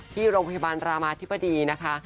ที่โรงพยาบาลรามาธิบดีนะคะ